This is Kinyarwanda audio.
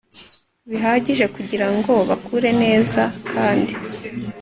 bihagije kugira ngo bakure neza kandi